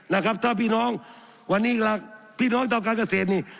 นะครับถ้าพี่น้องวันนี้อีกหลักพี่น้องทางการเกษตรนี่